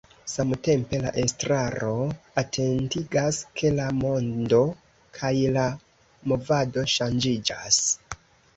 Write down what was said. Samtempe la estraro atentigas, ke la mondo kaj la movado ŝanĝiĝas.